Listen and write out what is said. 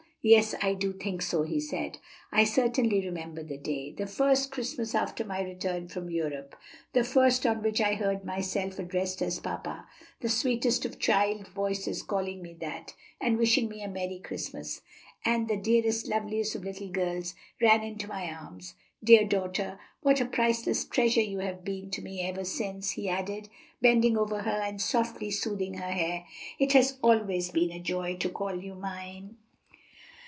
"Yes, I think I do," he said. "I certainly remember the day, the first Christmas after my return from Europe, the first on which I heard myself addressed as papa the sweetest of child voices calling me that, and wishing me a merry Christmas, as the dearest, loveliest of little girls ran into my arms. Dear daughter, what a priceless treasure you have been to me ever since!" he added, bending over her and softly smoothing her hair. "It has always been a joy to call you mine."